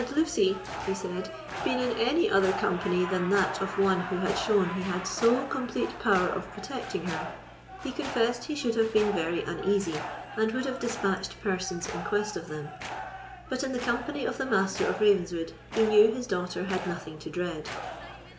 "Had Lucy," he said, "been in any other company than that of one who had shown he had so complete power of protecting her, he confessed he should have been very uneasy, and would have despatched persons in quest of them. But, in the company of the Master of Ravenswood, he knew his daughter had nothing to dread."